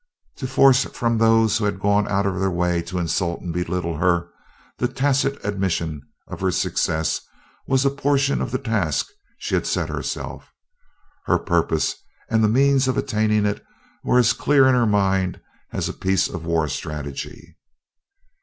To force from those who had gone out of their way to insult and belittle her the tacit admission of her success was a portion of the task she had set herself. Her purpose, and the means of attaining it were as clear in her mind as a piece of war strategy.